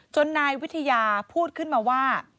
นายวิทยาพูดขึ้นมาว่า